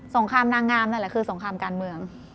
งครามนางงามนั่นแหละคือสงครามการเมือง